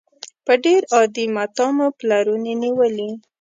په ډېر عادي متاع مو پلورنې نېولې.